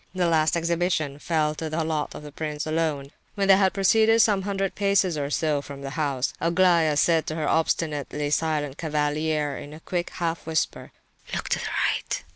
The last exhibition fell to the lot of the prince alone. When they had proceeded some hundred paces or so from the house, Aglaya said to her obstinately silent cavalier in a quick half whisper: "Look to the right!"